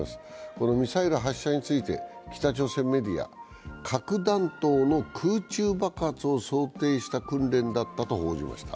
このミサイル発射について北朝鮮メディアは、核弾頭の空中爆発を想定した訓練だったと報じました。